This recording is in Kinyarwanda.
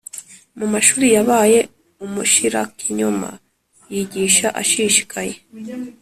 Mu mashuri yabaye umushirakinyoma, yigisha ashishikaye;